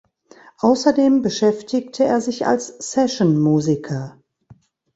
Außerdem beschäftigte er sich als Session-Musiker.